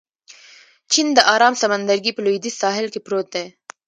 چین د ارام سمندرګي په لوېدیځ ساحل کې پروت دی.